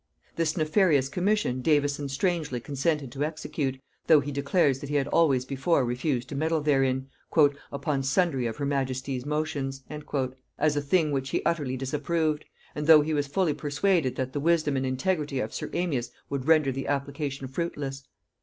This nefarious commission Davison strangely consented to execute, though he declares that he had always before refused to meddle therein "upon sundry of her majesty's motions," as a thing which he utterly disapproved; and though he was fully persuaded that the wisdom and integrity of sir Amias would render the application fruitless.